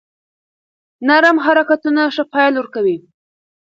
نرم حرکتونه ښه پایله ورکوي.